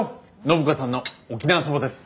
暢子さんの沖縄そばです。